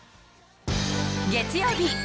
月曜日